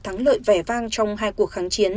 thắng lợi vẻ vang trong hai cuộc kháng chiến